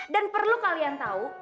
dan perlu kalian tahu